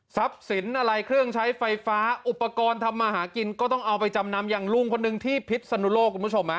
สินอะไรเครื่องใช้ไฟฟ้าอุปกรณ์ทำมาหากินก็ต้องเอาไปจำนำอย่างลุงคนหนึ่งที่พิษสนุโลกคุณผู้ชม